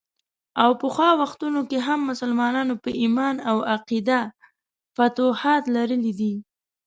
او پخوا وختونو کې هم مسلمانانو په ايمان او عقیده فتوحات لرلي دي.